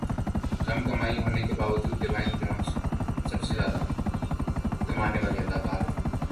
کم کمائی ہونے کے باوجود ڈیوائن جونسن سب سے زیادہ کمانے والے اداکار